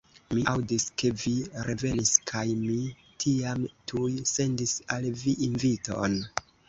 Mi aŭdis, ke vi revenis, kaj mi tiam tuj sendis al vi inviton.